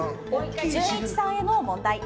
純一さんへの問題。